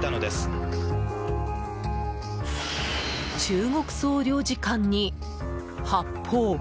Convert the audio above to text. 中国総領事館に発砲。